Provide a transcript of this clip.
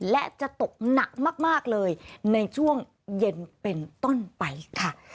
และจะตกหนักมากเลยในช่วงเย็นเป็นต้นไปค่ะ